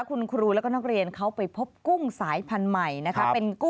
คุณครูแล้วก็นักเรียนเขาไปพบกุ้งสายพันธุ์ใหม่นะคะ